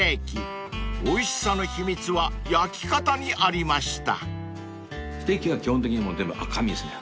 ［おいしさの秘密は焼き方にありました］